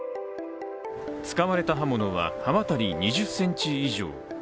使われた刃物は刃渡り２０ｃｍ以上。